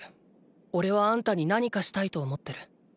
おれはあんたに何かしたいと思ってる。